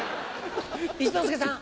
一之輔さん。